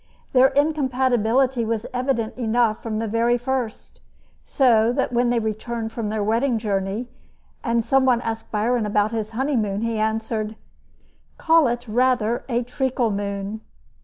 Their incompatibility was evident enough from the very first, so that when they returned from their wedding journey, and some one asked Byron about his honeymoon, he answered: "Call it rather a treacle moon!"